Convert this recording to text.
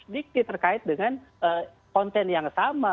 dengan konten yang sama